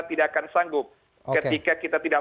tidak akan sanggup ketika kita tidak